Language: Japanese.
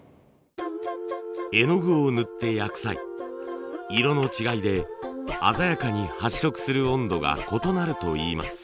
絵の具を塗って焼く際色の違いで鮮やかに発色する温度が異なるといいます。